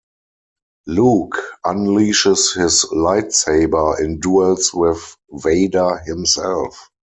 Luke unleashes his lightsaber and duels with Vader himself.